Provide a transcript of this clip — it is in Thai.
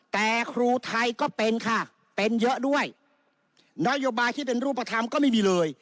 แต่ครูไทยก็เป็นค่ะเป็นเยอะด้วยนโยบายที่เป็นรูปธรรมก็ไม่มีเลย